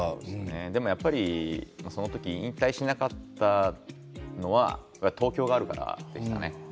やっぱりその時引退しなかったのは東京があるからでしたね。